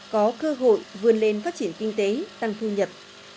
có cơ hội vươn lên phát triển kinh tế tăng thu nhập